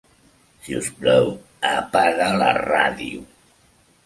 Si us plau, apaga la ràdio.